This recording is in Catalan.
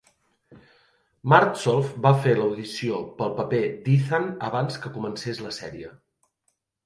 Martsolf va fer l'audició pel paper d'Ethan abans que comencés la sèrie.